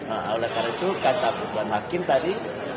oleh karena itu kata bapak makin tadi